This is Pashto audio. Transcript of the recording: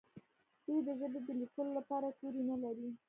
دوی د ژبې د لیکلو لپاره توري نه لري.